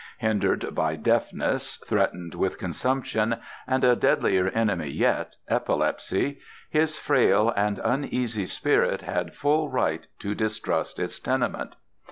Hindered by deafness, threatened with consumption, and a deadlier enemy yet—epilepsy—his frail and uneasy spirit had full right to distrust its tenement.